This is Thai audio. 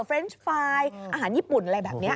เรนส์ไฟล์อาหารญี่ปุ่นอะไรแบบนี้